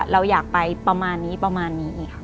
เราอยากไปประมาณนี้ประมาณนี้ค่ะ